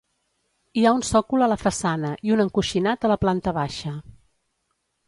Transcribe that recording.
Hi ha un sòcol a la façana, i un encoixinat a la planta baixa.